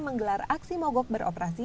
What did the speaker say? menggelar aksi mogok beroperasi